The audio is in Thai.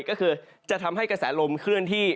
ก็คือจะทำให้กระแสลมขึ้นที่